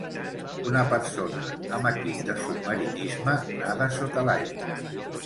Una persona amb equip de submarinisme nada sota l'aigua.